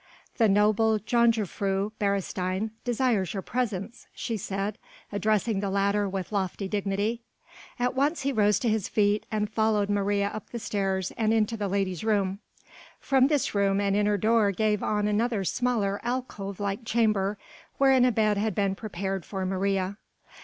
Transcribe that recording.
"The noble Jongejuffrouw Beresteyn desires your presence," she said addressing the latter with lofty dignity. At once he rose to his feet, and followed Maria up the stairs and into the lady's room. From this room an inner door gave on another smaller alcove like chamber, wherein a bed had been prepared for Maria.